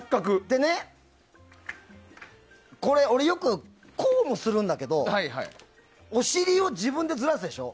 でね、これ俺はよくこうもするんだけどお尻を自分でずらすでしょ。